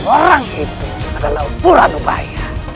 orang itu adalah pura mura bahaya